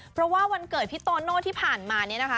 เพราะว่าวันเกิดพี่โตโน่ที่ผ่านมาเนี่ยนะคะ